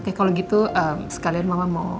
eh kalau gitu sekalian mama mau